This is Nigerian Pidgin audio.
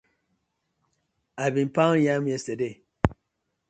I bin pawn yam yestade.